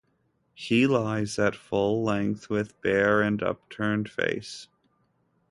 He lies at full length, with bare and upturned face.